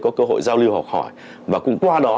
có cơ hội giao lưu học hỏi và cùng qua đó